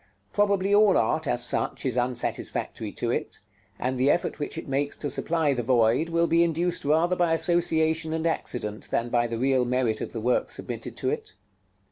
Probably all art, as such, is unsatisfactory to it; and the effort which it makes to supply the void will be induced rather by association and accident than by the real merit of the work submitted to it.